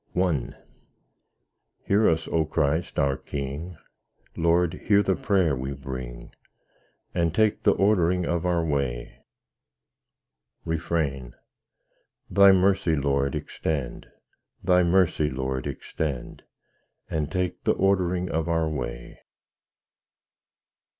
I Hear us, O Christ, our King; Lord, hear the prayer we bring, And take the ordering of our way. Refrain Thy mercy, Lord, extend; Thy mercy, Lord, extend, _And take the ordering of our way.